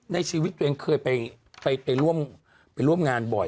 ในชีวิตตัวเองเคยไปร่วมงานบ่อย